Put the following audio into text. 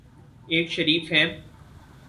ایک شریف ہیں۔